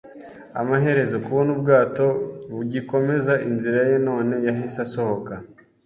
Amaherezo, kubona ubwato bugikomeza inzira ye none yahise asohoka